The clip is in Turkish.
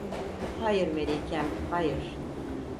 Hayır, melikem hayır…